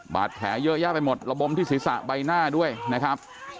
บาดแผลเยอะแยะไปหมดระบมที่ศีรษะใบหน้าด้วยนะครับ